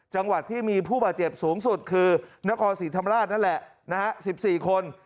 จังหวัดที่มีผู้บาดเจ็บสูงสุดคือนครศรีธรรมราชนั่นแหละ๑๔คน